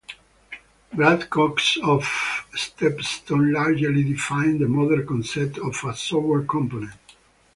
Brad Cox of Stepstone largely defined the modern concept of a software component.